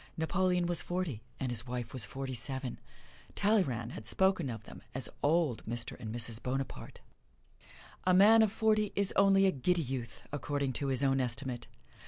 Napoleon was forty, and his wife was forty seven. Talleyrand had spoken of them as Old Mr. and Mrs. Bonaparte. A man of forty is only a giddy youth, according to his own estimate.